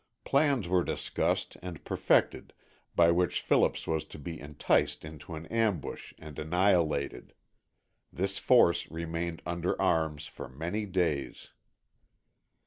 Plans were discussed and perfected by which Phillips was to be enticed into an ambush and annihilated. This force remained under arms for many days.